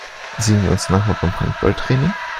Sehen wir uns nachher beim Handballtraining?